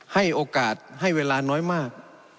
ให้โอกาสให้เวลาน้อยมาก